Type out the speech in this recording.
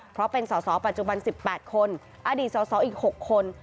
เพราะเป็นสอสอปัจจุบัน๑๘คนอดีตสสอีก๖คน